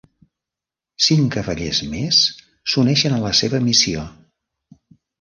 Cinc cavallers més s'uneixen a la seva missió.